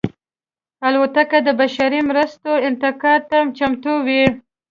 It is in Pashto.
الوتکه د بشري مرستو انتقال ته چمتو وي.